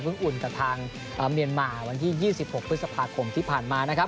อุ่นกับทางเมียนมาวันที่๒๖พฤษภาคมที่ผ่านมานะครับ